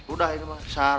udah ini mah